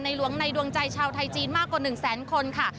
หลวงในดวงใจชาวไทยจีนมากกว่า๑แสนคนค่ะ